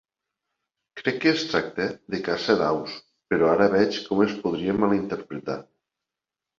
Crec que es tracta de caça d'aus, però ara veig com es podria malinterpretar.